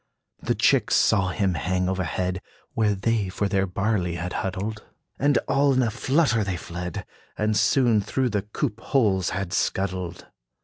The chicks saw him hang overhead, Where they for their barley had huddled; And all in a flutter they fled, And soon through the coop holes had scuddled.